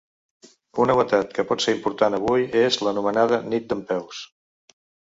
Una novetat que pot ser important avui és l’anomenada ‘Nit dempeus’.